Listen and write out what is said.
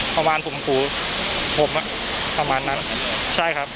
ประมาณฝุมฝูผมประมาณนั้นใช่ครับ